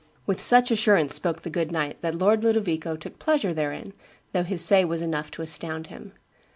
With such assurance spoke the good knight that Lord Ludovico took pleasure there in, though his say was enough to astound him.